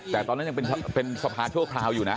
แต่ตอนนั้นยังเป็นสภาชั่วคราวอยู่นะ